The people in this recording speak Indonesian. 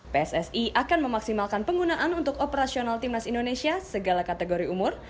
pssi akan memaksimalkan penggunaan untuk operasional timnas indonesia segala kategori umur